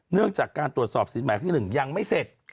เนื่องจากการตรวจสอบสินหมายที่๑ยังไม่เสร็จ